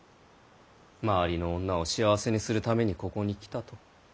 周りの女を幸せにするためにここに来たと。